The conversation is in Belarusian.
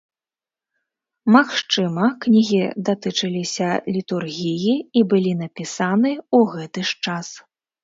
Магчыма, кнігі датычыліся літургіі і былі напісаны ў гэты ж час.